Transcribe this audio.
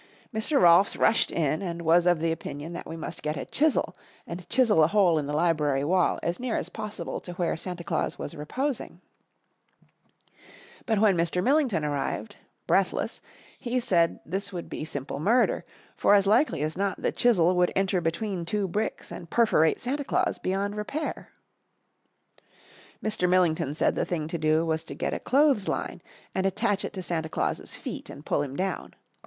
Mr. Rolfs rushed in and was of the opinion that we must get a chisel and chisel a hole in the library wall as near as possible to where Santa Claus was reposing, but when Mr. Millington arrived, breathless, he said this would be simple murder, for as likely as not the chisel would enter between two bricks and perforate Santa Claus beyond repair. Mr. Millington said the thing to do was to get a clothesline and attach it to Santa Claus's feet and pull him down.